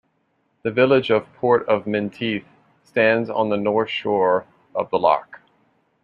The village of Port of Menteith stands on the north shore of the loch.